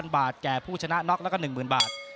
๐บาทแก่ผู้ชนะน็อกแล้วก็๑๐๐บาท